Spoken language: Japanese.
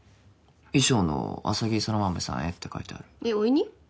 「衣裳の浅葱空豆さんへ」って書いてあるえっおいに？